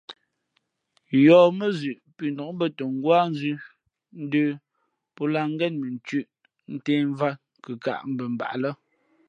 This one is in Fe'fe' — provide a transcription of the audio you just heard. Yɔ̌ mά zʉʼ pʉnǒk mbᾱtα ngwáá nzʉ̄ ndə̄ pō lǎh ngén mʉ nthʉ̄ ntēh mvāt, kʉkāʼ mbα mbaʼ lά.